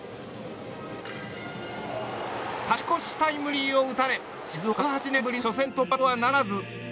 勝ち越しタイムリーを打たれ静岡は１８年ぶりの初戦突破とはならず。